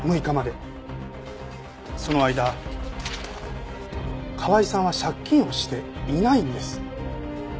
その間川井さんは借金をしていないんです。